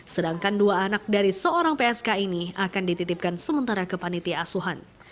sedangkan dua anak dari seorang psk ini akan dititipkan sementara ke panitia asuhan